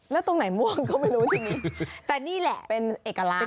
แล้วตรงไหนม่วงก็ไม่รู้ทีนี้แต่นี่แหละเป็นเอกลักษ